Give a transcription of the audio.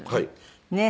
ねえ。